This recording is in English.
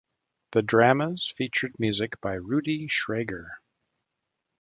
The dramas featured music by Rudy Schrager.